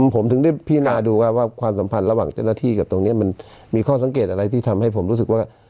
ผมถึงได้พินาดูว่าความสัมพันธ์ระหว่างเจ้าหน้าที่กับตรงนี้มันมีข้อสังเกตอะไรที่ทำให้ผมรู้สึกว่า